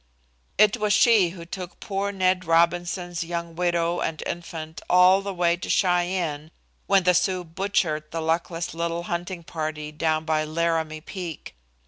It was she who took poor Ned Robinson's young widow and infant all the way to Cheyenne when the Sioux butchered the luckless little hunting party down by Laramie Peak.